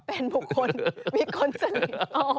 เป็นบุคคลมีคนสนิท